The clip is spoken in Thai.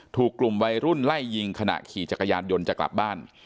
ถูกกลุ่มวัยรุ่นไล่ยิงขณะขี่จักรยานยนต์จะกลับบ้าน